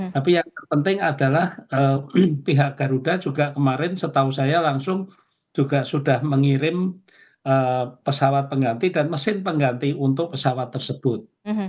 tapi yang terpenting adalah pihak garuda juga kemarin setahu saya langsung juga sudah mengirim pesawat pengganti dan mesin pengganti untuk pesawat tersebut